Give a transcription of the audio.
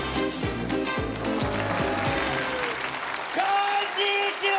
こんにちは！